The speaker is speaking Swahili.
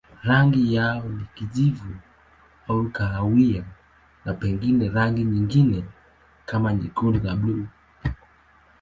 Rangi yao ni kijivu au kahawia na pengine rangi nyingine kama nyekundu na buluu.